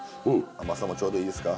甘さもちょうどいいですか？